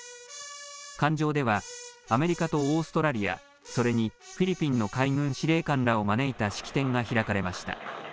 艦上ではアメリカとオーストラリア、それにフィリピンの海軍司令官らを招いた式典が開かれました。